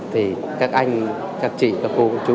thì các anh các chị các cô chú